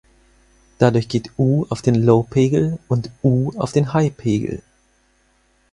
Dadurch geht "U" auf den Low-Pegel und "U" auf den High-Pegel.